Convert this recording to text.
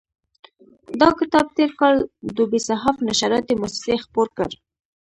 دا کتاب تېر کال دوبی صحاف نشراتي موسسې خپور کړ.